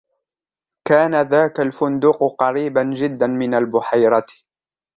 كان ذاك الفندق قريباً جداً من البحيرة.